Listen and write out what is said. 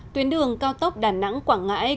tuyến đường cao tốc đà nẵng quảng ngãi